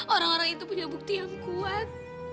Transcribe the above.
orang orang itu punya bukti yang kuat